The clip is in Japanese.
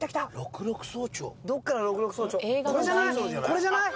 これじゃない？